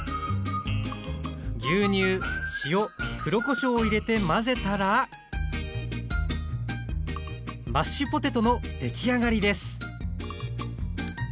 牛乳塩黒こしょうを入れて混ぜたらマッシュポテトの出来上がりです